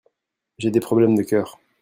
J'ai des problèmes de cœur.